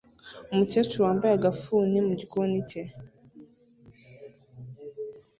Umukecuru wambaye agafuni mu gikoni cye